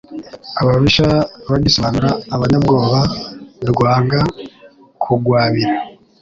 Ababisha bagisobanura abanyabwoba rwanga kugwabira